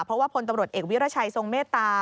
เพราะว่าพลตำรวจเอกวิรัชัยทรงเมตตา